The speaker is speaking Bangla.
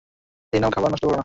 এই নাও খাবার নষ্ট করে না।